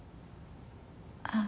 あっ。